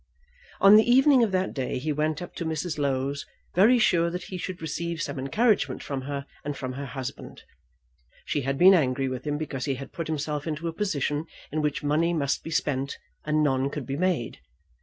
On the evening of that day he went up to Mrs. Low's, very sure that he should receive some encouragement from her and from her husband. She had been angry with him because he had put himself into a position in which money must be spent and none could be made.